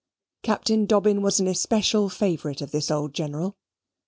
Captain Dobbin was an especial favourite of this old General.